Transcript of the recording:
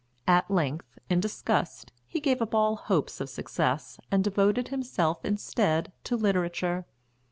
At length, in disgust, he gave up all hopes of success and devoted himself instead to literature.